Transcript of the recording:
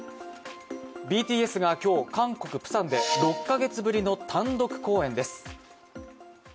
ＢＴＳが今日、韓国・プサンで６か月ぶりの単独公演です。